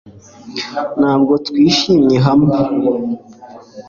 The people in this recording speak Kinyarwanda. Ntabwo twishimye hamwe